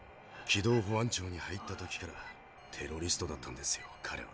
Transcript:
軌道保安庁に入った時からテロリストだったんですよ彼は。